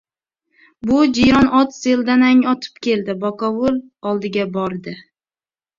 Bir jiyron ot seldanang otib keldi. Bakovul oldiga bordi.